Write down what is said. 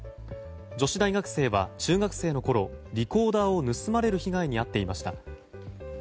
女子大学生は中学生のころリコーダーを盗まれる被害に遭っていました。